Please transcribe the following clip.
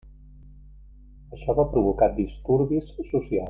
Això va provocar disturbis socials.